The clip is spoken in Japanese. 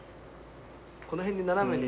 この辺に斜めに。